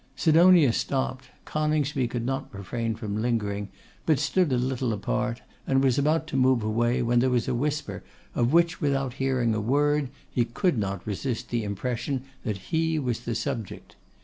Sidonia stopped; Coningsby could not refrain from lingering, but stood a little apart, and was about to move away, when there was a whisper, of which, without hearing a word, he could not resist the impression that he was the subject.